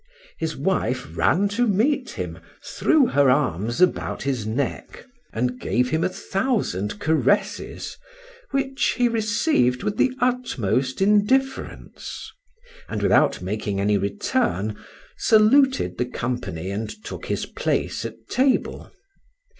His wife ran to meet him, threw her arms about his neck, and gave him a thousand caresses, which he received with the utmost indifference; and without making any return saluted the company and took his place at table.